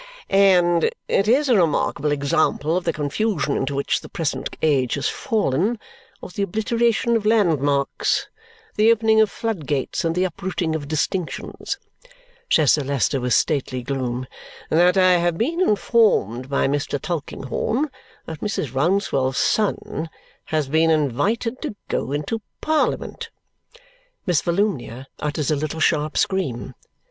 "And it is a remarkable example of the confusion into which the present age has fallen; of the obliteration of landmarks, the opening of floodgates, and the uprooting of distinctions," says Sir Leicester with stately gloom, "that I have been informed by Mr. Tulkinghorn that Mrs. Rouncewell's son has been invited to go into Parliament." Miss Volumnia utters a little sharp scream.